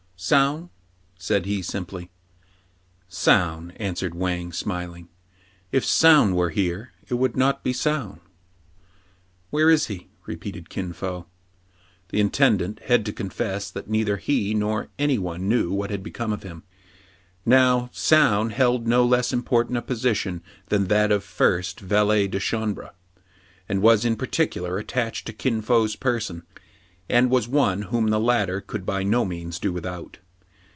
" Soun }" said he simply. " Soun !" answered Wang, smiling. " If Soun were here, it would not be Soun !"Where is he }" repeated Kin Fo. The intendant had to confess that neither he nor any one knew what had become of him. Now, Soun held no less important a position than that of first valet de chambre^ and was in particular at tached to Kin Fo's person, and was one whom the latter could by no means do without.